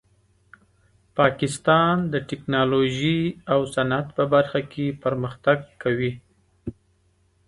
پاکستان د ټیکنالوژۍ او صنعت په برخه کې پرمختګ کوي.